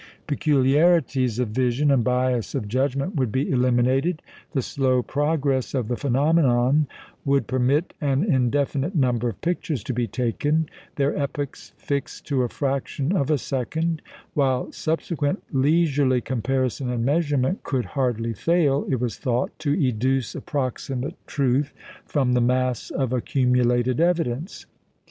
Peculiarities of vision and bias of judgment would be eliminated; the slow progress of the phenomenon would permit an indefinite number of pictures to be taken, their epochs fixed to a fraction of a second; while subsequent leisurely comparison and measurement could hardly fail, it was thought, to educe approximate truth from the mass of accumulated evidence.